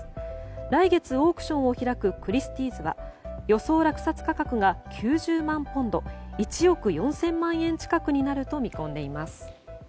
来月、オークションを開くクリスティーズは予想落札価格が９０万ポンド１億４０００万円近くになると見込んでいます。